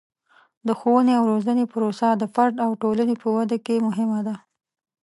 د ښوونې او روزنې پروسه د فرد او ټولنې په ودې کې مهمه ده.